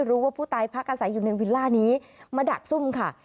รู้ว่าผู้ตายพักอาศัยอยู่ในวิลล่านี้มาดักซุ่มค่ะ